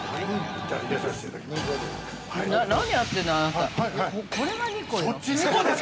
◆じゃあ入れさせていただきます。